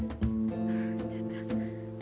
ちょっと。